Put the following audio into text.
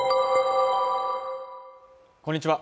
こんにちは